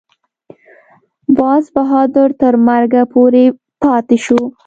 باز بهادر تر مرګه پورې پاته شو.